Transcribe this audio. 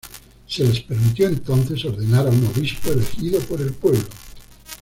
Se les permitió entonces ordenar a un obispo elegido por el pueblo.